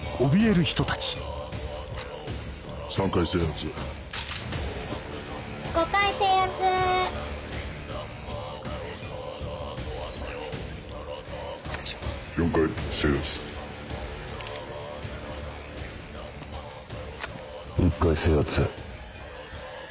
１階制圧。